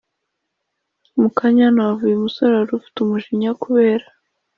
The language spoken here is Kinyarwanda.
mukanya hano havuye umusore warufite umujinya kubera